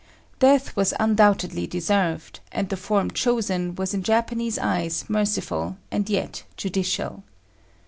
Death was undoubtedly deserved, and the form chosen was in Japanese eyes merciful and yet judicial.